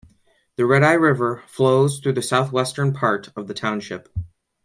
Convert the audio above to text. The Redeye River flows through the southwestern part of the township.